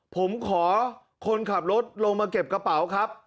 ผมขอคนขับรถลงมาเก็บกระเป๋าครับ